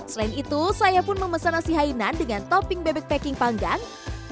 selain itu saya pun memesan nasi hainan dengan topping bebek packing panggang